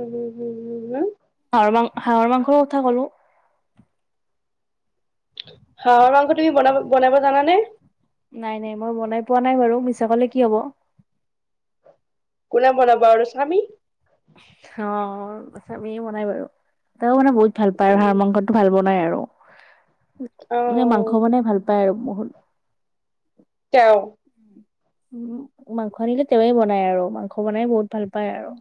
উম হুম হুম হুম হুম। হাঁহৰ মাঙ হাঁহৰ মাংসৰ কথা কলোঁ। হাঁহৰ মাংস তুমি বনাব-বনাব জানানে? নাই-নাই, মই বনাই পোৱা নাই বাৰু মিছা কলে কি হ'ব? কোনে বনাব আৰু স্বামী? হ, স্বামী বনাই বাৰু, তেও মানে বহুত ভাল পায় আৰু হাঁহ উম মাংসটো ভাল বনাই আৰু। অ মানে মাংস বনাই ভাল পায় আৰু বহুত। তেওঁ? উম, মাংস আনিলে তেৱে বনাই আৰু মাংস বনাই বহুত ভাল পায় আৰু।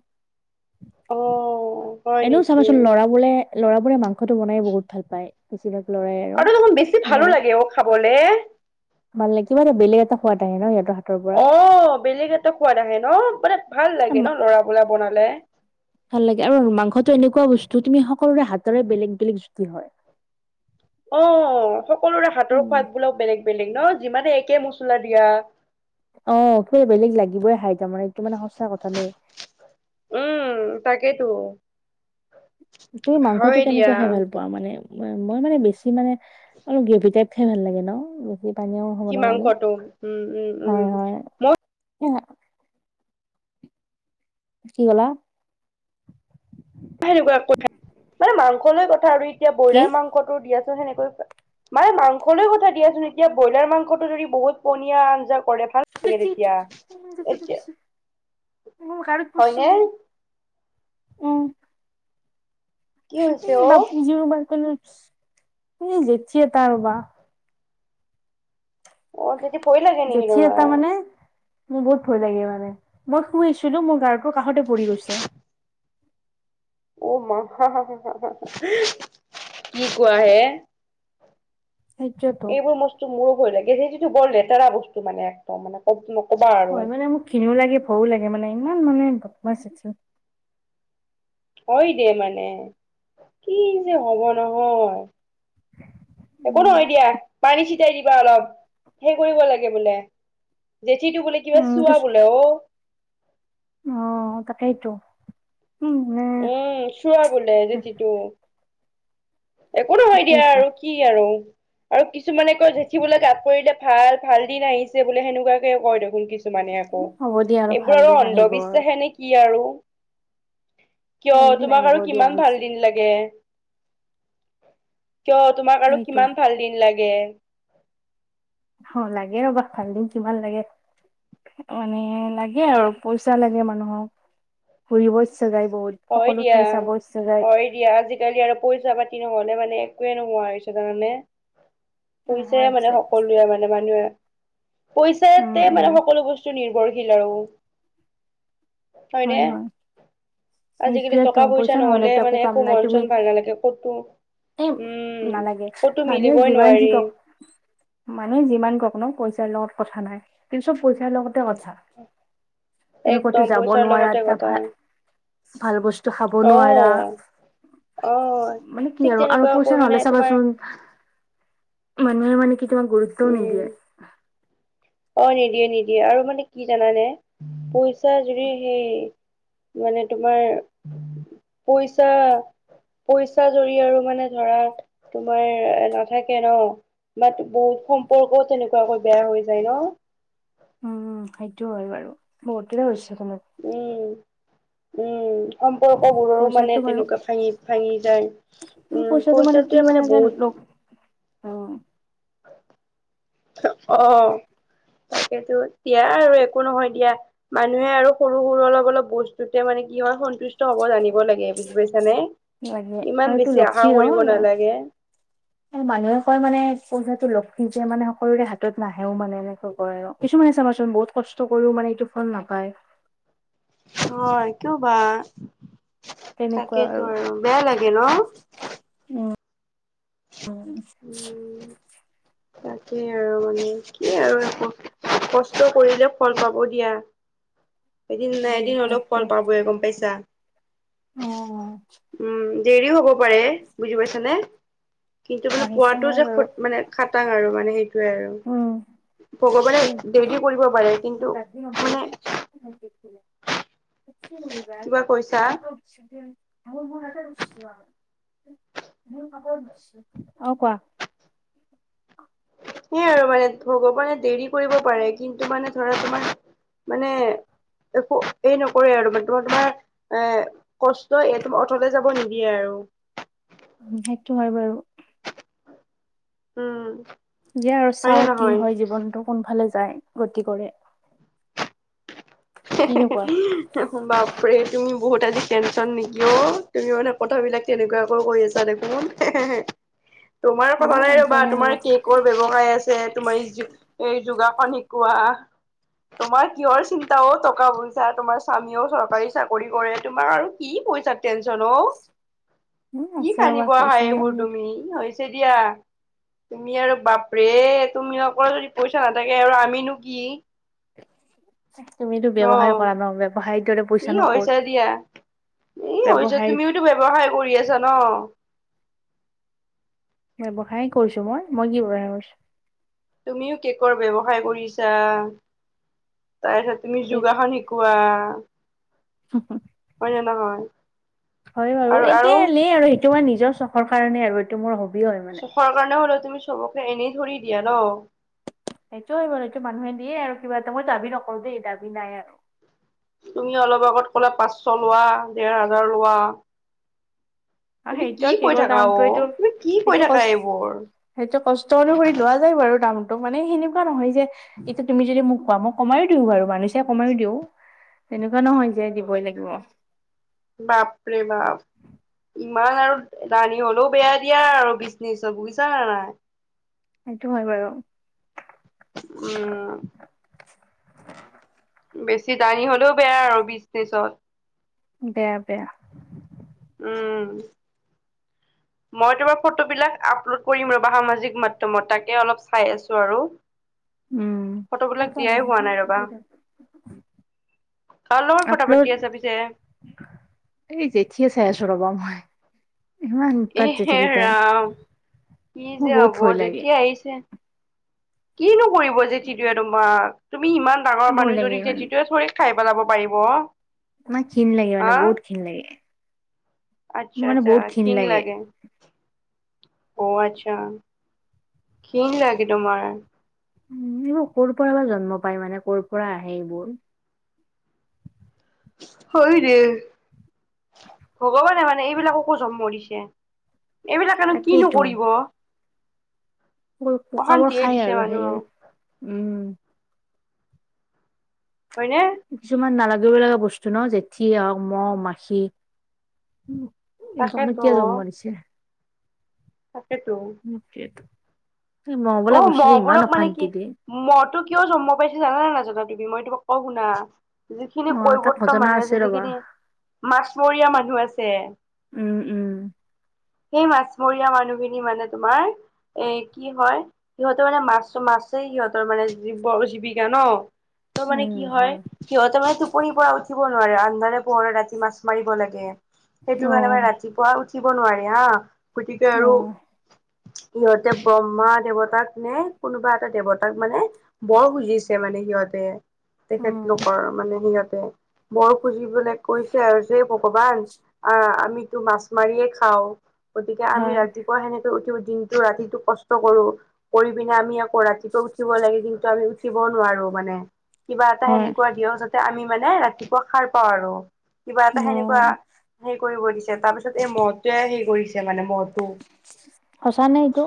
অ'। হয় এনেও নেকি? চাবাচোন ল'ৰাবোলে, ল'ৰাবোৰে মাংসটো বনাই বহুত ভাল পায়, বেছিভাগ ল'ৰাই। আৰু দেখোন বেছি ভালো বেলেগ লাগে অ', খাবলে। ভাল লাগে, কিবা এটা বেলেগ এটা সোৱাদ আহে ন সিহঁত হাত অ', বেলেগ এটা সোৱাদ আহে ন? মানে ভাল লাগে ন ল'ৰাবোলে বনালে। ভাল লাগে, আৰু মাংসটো এনেকুৱা বস্তু তুমি সকলোৰে হাতেৰে বেলেগ বেলেগ জুতি হয়। অ', সকলোৰে হাতৰ উম সোৱাদ বিলাক বেলেগ বেলেগ ন? যিমানে একে মছলা দিয়া। অ', সেই বেলেগ লাগিবই খাই তাৰমানে, এইটো মানে সঁচা কথা নেই? উম তাকেইতো। তুমি মাংসটো হয় দিয়া। কেনেকুৱা খাই ভাল পোৱা মানে? মই, মই মানে বেছি মানে অলপ গ্ৰেৱী টাইপ খাই ভাল লাগে ন? বহুত পানীও হ'ব কি নালাগে, মাংসটো উম উম উম হয় হয় এ কি ক'লা? সেনেকুৱা কথা, মানে মাংস লৈ কথা আৰু এতিয়া কি ব্ৰইলাৰ মাংসটো দিয়াচোন সেনেকৈ মানে মাংসলৈ কথা দিয়াচোন এতিয়া ব্ৰইলাৰ মাংসটো যদি বহুত পনিয়া আঞ্জা কৰে ভাল লাগে তেতিয়া [unintelligible] মোৰ গাড়ীত এতিয়া হয়নে পৰছে মোৰ। অ'। কি হৈছে উম বাপুজি অ বেলকনিত, উম জেঠি এটা ৰবা। অ জেঠি পৰিলেগে নেকি জেঠী তোমাৰ? এটা মানে মোৰ বহুত ভয় লাগে মানে, মই শুই আছিলো মোৰ গাৰুটোৰ কাষতে পৰি গৈছে। অ মা হা হা, কি কোৱা হে? সেইটোৱেতো এইবোৰ বস্তু মোৰো ভয় লাগে। জেঠুটোতো বৰ লেতেৰা বস্তু মানে, একদম মানে ক নকবা আৰু। ঘিণও লাগে ভয়ো লাগে মানে ইমান মানে বদমাছ এটো। হয় দে মানে, কি যে হব নহয়। একো উম নহয় দিয়া। পানী চেতিয়াই দিবা অলপ সেই কৰিব লাগে বোলে, জেঠিটো বোলে, উম এইটো কেচুৱা চ- বোলে অ। অ তাকেইটো। উম উম। উম চোৱা বোলে জেঠিটো। একো নহয় দিয়া তাকেইতো আৰু কি আৰু আৰু কিছুমানে কয় জেঠি বোলে গাত পৰিলে- ভাল ভাল দিন আহিছে বোলে, সেনেকুৱাকে কয় দেখোন কিছুমানে। মানে উম, আকৌ, হ'ব দিয়া ভাল এইবোৰ আৰু দিন আহিব আৰু অন্ধবিশ্বাসে নে কি আৰু। কিয় ভাল দিন তোমাক আহিব আৰু দিয়া কিমান হৈছে ভাল দিন লাগে? কিয় তোমাক আৰু সেইটো কিমান ভাল দিন লাগে? অ লাগে ৰ'বা ভালদিন কিমান লাগে। মানে লাগে আৰু পইচা লাগে মানুহক, ঘুৰিব ইচ্ছা যায় বহুত। হয় সকলো দিয়া ঠাই চাব ইচ্ছা যায়। হয় দিয়া আজিকালি আৰু পইচা পাতি নহলে মানে একোৱে নোহোৱা হৈছে জানানে? নোহোৱা পইচাই মানে হৈছে সকলোৱে মানে মানুহে, উম পইচাতে উম মানে সকলো বস্তু নিৰ্ভৰ। নিৰ্ভৰশীল আৰু, হয়নে? আজিকালি এইটোৱেতো, টকা পইচা নহ'লে নহ'লেতো একো মানে কাম নাই মন চন তুমি- ভাল নালাগে ক'তো এ উম নালাগে ক'তো মানুহে মিলিবই যিমান যি নোৱাৰি কক, মানুে যিমান কওক ন পইচাৰ লগত কথা নাই, কিন্ত চব পইচাৰ লগতে কথা। তুমি ক'তো একদম যাব পইচাৰ নোৱাৰা লগতে এটা কথা। ভাল ভাল বস্তু খাব অ নোৱাৰা। অ মানে কি ঠিক আৰু, আৰু তেনেকুৱাকৈ পইচা মানে নহলে তোমাৰ চাবাচোন- আ মানুহে মানে কি তোমাক গুৰুত্বও উম নিদিয়ে। অ নিদিয়ে নিদিয়ে, আৰু মানে কি জানানে? পইচা যদি সেই- মানে তোমাৰ পইচা পইচা যদি আৰু মানে ধৰা তোমাৰ নাথাকে ন? বাট বহুত সম্পৰ্কও তেনেকুৱাকৈ বেয়া হৈ যায় ন? উম, সেইটো হয় বাৰু বহুতৰে হৈছে তেনেকুৱা। উম। উম, সম্পৰ্ক বোৰৰো পইচাটো মানে বাৰু তেনেকুৱা ভাঙি ভাঙি যায়। উম পইচাটো পইচাটোৱে মানে বহুত অ। অ তাকেইেতো, দিয়া আৰু একো নহয় দিয়া। মানুহে আৰু সৰু সৰু অলপ অলপ বস্তুতে মানে কি হয় সন্তুষ্ট হব জানিব লাগে, বুজি পাইছানে? লাগে ইমান বেছি আশা কৰিব নালাগে। উ মানুহে কয় মানে পইচাটো লিজে মানে সকলোৰে হাতত নাহেও মানে এনেকৈ কয় আৰু। কিছুমানে চাবাচোন বহুত কষ্ট কৰিও মানে এইটো ফল নাপায়। অ, কিয় বা তেনেকুৱা তাকেই তো আৰু বেয়া লাগে ন? উম উম। তাকে আৰু মানে কি আৰু একো কষ্ট কৰিলে ফল পাব দিয়া। এদিন নাই উম এদিন অলপ সেইটো ফল পাবে গম পাইছা। অ উম দেৰিও হ'ব পাৰে বুজি পাইছা নে? কিন্তু মানে সেইটো পোৱাটো হয় যে খ বাৰু মানে খাটাং আৰু মানে সেই টোৱে আৰু ভগৱানে দেৰি উম কৰিব পাৰে কিন্তু মানে [unintelligible] কিবা কৈছা [unintelligible] অঁ কোৱা? সেইয়াই আৰু মানে ভগৱানে দেৰি কৰিব পাৰে কিন্তু মানে ধৰা তোমাৰ মানে একো এই নকৰে আৰু মানে তোমাৰ ধৰা এ কষ্ট এইটো অথলে যাব নিদিয়ে আৰু। সেইটো হয় বাৰু। উম। দিয়া আৰু হয়নে চাওঁ কি নহয় হয় জীৱনটো কোনফালে যায় গতি কৰে। কিনো কোৱা হিহিহি বাপৰে তুমি বহুত আজি টেনচন নেকি ঔ? তুমি মানে কথাবিলাক তেনেকুৱাকৈ কৈ আছা দেখোন। হেহেহে [unintelligible] তোমাৰ অ কঁপালে ৰবা টেনচনে তোমাৰ কেকৰ ব্যৱসায় আছে তোমাৰ যোগাসন শিকোৱা তোমাৰ কিহৰ চি ন্তা অ টকা পইচা তোমাৰ স্বামীয়েও চৰকাৰী চাকৰি কৰে তোমাৰ আৰু কি পইচা টেনচন অ। [unintelligible] কি ৰবা কান্দিব আহা পইচা এইবোৰ তুমি হৈছে দিয়া। তুমি আৰু বাপৰে তুমি অকল যদি পইচা নাথাকে আৰু আমিনো কি। তুমিতো ন ব্যৱসায় কৰা ন ব্যৱসায়ৰ দৰে ই পইচা নো হৈছে ক'ত দিয়া ই হৈছে ব্যৱসায় তুমিওতো ব্যৱসায় কৰি আছা ন। ব্যৱসায় কৰিছো মই, মই কি ব্যৱসায় কৰিছো? তুমিও কেকৰ ব্যৱসায় কৰিছা, তাৰপিছত তুমি কৰিছো যোগাসন শি কোৱা। হয় বাৰু, একেই আৰু এইটো মোৰ নিজৰ চখৰ কাৰণে আৰু এইটো মোৰ হবি হয়। মানে চখৰ কাৰণে হলেও তুমি চবকে এনেই ধৰি দিয়া ন। সেইটো হয় বাৰু এইটো মানুহে দিয়ে আৰু কিবা এটা মই দাবী নকৰো দেই দাবী নাই আৰু। তুমি অলপ আগত ক'লা পাঁচশ লোৱা দেৰ হাজাৰ লোৱা অঁ তুমি সেইটো কি আৰু কৈ কেকৰ থাকা অ, দামটো এইটো তুমি কি কৈ সেইটো থাকা কষ্ট এইবোৰ সেইটো কষ্ট অনুসৰি লোৱা যায় বাৰু দামটো মানে সেনেকুৱা নহয় যে এইটো তুমি যদি মোক কোৱা মোক কমাইয়ো দিওঁ বাৰু মানুহ চাই কমাইয়ো দিওঁ, তেনেকুৱা নহয় যে দিবই লাগিব। বাপৰে বাপ ইমান আৰু দানী হলেও বেয়া দিয়া আৰু বিজনেচত, বুজিছা নাই? সেইটো হয় বাৰু। উম, বেছি দানী হলেওঁ বেয়া আৰু বিজনেচত। বেয়া, বেয়া। উম, [inaudible] মই তোমাৰ ফটো বিলাক আপলোড কৰিম ৰ'বা সামাজিক মাধ্যমত তাকে অলপ চাই আছোঁ আৰু। উম, ফটোবিলাক দিয়াই হোৱা নাই ৰ'বা। কাৰ লগত কথা আপলোড পাতি আছা পিছে? এই জেঠিয়ে চাই আছোঁ ৰ'বা মই। ইমান এ উতপাত হে জেঠিকেইতা ৰাম। কি যে মোৰ হ'ব বহুত ভয় লাগে। যেতিয়া আহিছে। কিনো কৰিব জেঠীটোৱে তোমাক তুমি ইমান ডাঙৰ ভয় লাগে মানুহজনীক মানে জেঠীটোৱে থৰি খাই পেলাব পাৰিব। [unintelligible] ঘীণ লাগে মানে, হা বহুত ঘীণ লাগে। আচ্ছা, মানে আচ্ছা বহুত ঘিণ ঘীণ লাগে। অ'আচ্ছা ঘীণ লাগে তোমাৰ? উম, এইবোৰ ক'ৰ পৰা বা জন্ম পাই মানে ক'ৰ পৰা আহে এইবোৰ। হয় দে, ভগৱানে মানে এইবিলাককো জন্ম দিছে। এইবিলাকেনো কিনো তাকেইতো। কৰিব। [unintelligible] পোকাবোৰ অশান্তিহে খায় দিছে আৰু সেয়ে মানুহক উম, হয়নে? কিছুমান নালাগিব লগা বস্তু ন, জেঠি হওঁক, মহ, মাখি ইঁহতক নো তাকেতো কিয়া জন্ম দিছে। তাকেতো। এ মহবোলা বস্তুতো ইমান অশান্তি দিয়ে।। মহ তো কিয় জন্ম পাইছে জানা নে নাজানা তুমি মই তোমাক কও শুনা। যিখিনি অ তাক কৈৱৰ্ত ঘটনা মানুহ আছে, ৰবা যিখিনি মাছমৰীয়া মানুহ আছে উম, উম। সেই মাছমৰীয়া মানুহখিনি মানে, তোমাৰ এ কি হয় সিহঁতৰ মানে মাছ-মাছেই সিহঁতৰ মানে জীৱ-জীৱিকা ন' ত' মানে কি হয় সিহঁতে মানে টোপনিৰ পৰা উঠিব নোৱাৰে আন্ধাৰে-পোহৰে ৰাতি মাছ মাৰিব লাগে। সেইটো অ কাৰণে মানে ৰাতিপুৱা উঠিব নোৱাৰে হা, গতিকে অ আৰু ইহঁতে বম্ব মা দেৱতাক নে কোনোবা এটা দেৱতাক মানে বৰ খুজিছে মানে সিহঁতে অ তেখেতলোকৰ মানে সিহঁতে। বৰ খুজিবলে কৈছে আৰু যে ভগৱান আ, আমিতো মাছ মাৰিয়ে খাওঁ গতিকে আমি হয় ৰাতিপুৱা সেনেকে উঠি দিনটো ৰাতিটো কষ্ট কৰোঁ কৰি পিনে আমি আ কৈ ৰাতিপুৱা উঠিব লাগে কিন্তু আমি উঠিবও নোৱাৰো মানে কিবা এটা হয় সেনেকুৱা দিয়ক যাত তে আমি মানে ৰাতিপুৱা সাৰ পাওঁ আৰু কিবা এটা অ সেনেকুৱা হেই কৰিব দিছে তাৰপিছত এই মহটোৱে হেই কৰিছে মানে মহটো। সঁচা নে এইটো?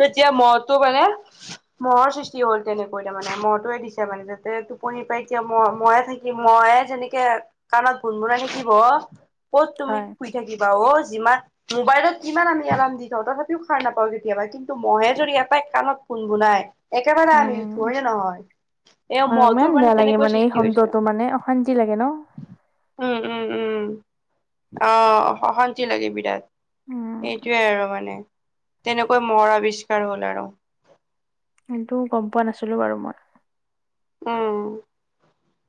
তেতিয়া মহতো মানে মহৰ সৃষ্টি হ'ল তেনেকৈ তাৰ মানে মহটোৱে দিছে মানে যাতে টোপনি পাই এতিয়া মই ময়ে থাকি মই যেনেকে কাণত গুণগুনা থাকিব, ক'ত তুমি হয় শুই থাকিবা অ যিমান মোবাইলত যিমান আমি এলাৰ্ম দি থওঁ তথাপিও সাৰ নাপাওঁ কেতিয়াবা কি ন্তু মহে যদি এটাই কাণত কুনকুনাই একেবাৰে আমি উম উঠো, হয় নে নহয়? এ হয় মহতুৰ ইমান মানে বেয়া লাগে তেনেকৈ এই সৃষ্টি হয় হৈছে। শব্দটো মানে অশান্তি লাগে ন উম উম উম অ সশান্তি লাগে বিৰাট। উম সেইটোৱে আৰু মানে তেনেকৈ মহৰ আৱিষ্কাৰ হ'ল আৰু। কিন্তু গম পোৱা নাছিলো বাৰু মই। উম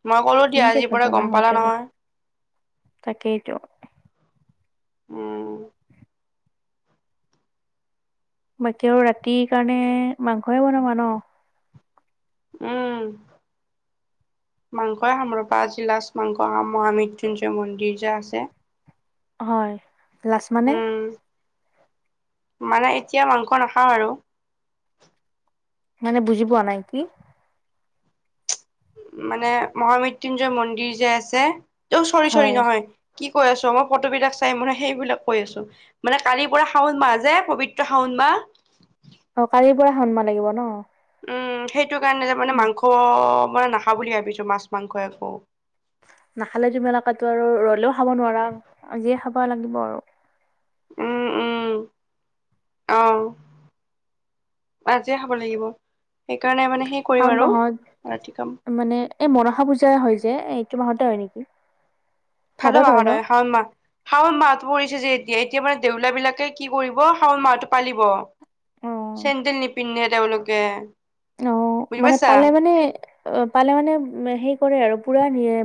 মই ক'লো কি দিয়া যে আজিৰ পৰা গম পালা নহয়। তাকেইটো। উম। বাকী আৰু ৰাতিৰ কাৰণে মাংসয়ে বনাবা ন? উম। মাংসই খাম ৰবা আজিলাাজ মাংসা খাম, মৃত্যুঞ্জয় মন্দিৰ যে আছে হয়। লাষ্ট মানে? উম মানে এতিয়া মাংস নাখাওঁ আৰু। মানে বুজি পোৱা নাই কি? মানে মহামৃত্যয়ুঞ্জয় মন্দিৰ যে আছে, চৰি চৰি হয় নহয়। কি কৈ আছ, মই ফটো বিলাক চাই মানে সেইবিলাক কৈ আছো। মানে কালিৰ পৰা শাওন মাহ যে পবিত্ৰ শাওন মাহ। অ কালিৰ পৰা শাওন মাহ লাগিব ন? উম সেইটো কাৰণে যে মানে উম মাংস মানে নাখা বুলি ভাবিছো মাছ মাংস একো। নাখালে আৰু ৰলেও খাব নোৱাৰা আজিয়ে খাব লাগিব আৰু। উম উম অহ। অ আজিয়ে খাব লাগিব। সেইকাৰণে মানে সেই কৰিম শাওণ আৰু মাহত ৰাতি কাম। মানে এই মনসা পূজা হয় যে, এ এইটো মাহতে হয় নেকি? ঠাণ্ডা ভাদত মাহত ন হয়, শাওন মাহ। শাওন মাহটো পৰিছে যে এতিয়া এতিয়া মানে দেউলীয়া বিলাকে কি কৰিব শাওন মাহটো পালিব। অ চেণ্ডেল নিপিন্দে তেওঁলোকে। অ বুজি মানে পাইছা পালে মানে অ পালে মানে হে কৰে আৰু পোৰা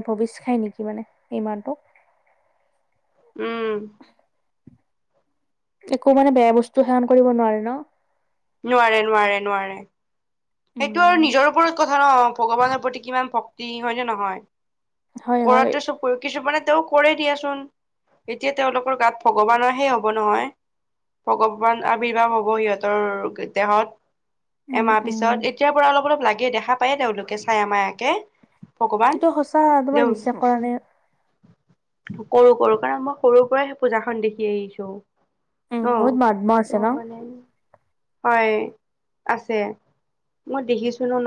ভৱিষ্ খাই নেকি মানে সেই মাহটো। উম। একো মানে বেয়া বস্তু সেৱন কৰিব নোৱাৰে ন? নোৱাৰে নোৱাৰে নোৱাৰে। সেইটো আৰু উম নিজৰ ওপৰত কথা ন ভগৱানৰ প্ৰতি কিমান ভ তি হয় নে নহয়, হয় হয় ওপৰতো চব কিছুমানে তেওঁ কৰে দিয়াচোন এতিয়া তেওঁলোকৰ গাত ভগৱানৰ সে হ'ব নহয়। ভগৱান আভিভাৱ হব সিহঁতৰ দেহত উম এমাহ পিছ উম ছত এতিয়াৰ পৰা অলপ অলপ লাগে দেখা পায় তেওঁলোকে চাই আ মায়াকে ভগৱান, এইটো সঁচা তোমাৰ দেউ বিশ্বাস কৰা নাই কৰো কৰো কাৰণ মই সৰুৰ পৰাই সেই পূজাখন দেখি আহিছো। উম অ বহুত মহাত্মা তো আছে ন মানে হয় আছে, মই দেখিছো ন